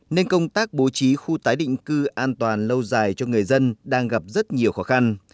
nên công tác bố trí khu tái định cư an toàn lâu dài cho người dân đang gặp rất nhiều khó khăn